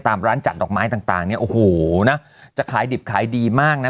ตามร้านจัดดอกไม้ต่างเนี่ยโอ้โหนะจะขายดิบขายดีมากนะ